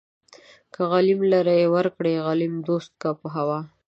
که غليم لره يې ورکړې غليم دوست کا په هوا